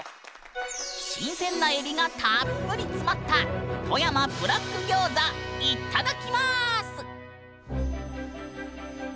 新鮮なエビがたっぷり詰まった富山ブラックギョーザいただきます！